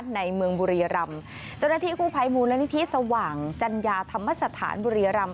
ในเมืองบริรามเจ้าหน้าที่คู่ภัยมูลและนิทิศสว่างจัญญาธรรมสถานบริราม